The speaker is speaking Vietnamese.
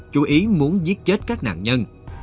chú ý muốn giết chết các nạn nhân